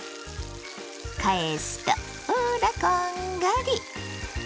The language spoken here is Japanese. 返すとほらこんがり！